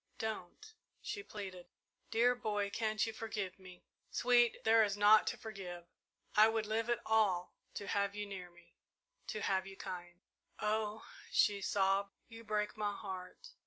"Don't!" she pleaded. "Dear boy, can't you forgive me?" "Sweet, there is naught to forgive. I would live it all to have you near me to have you kind." "Oh," she sobbed, "you break my heart!"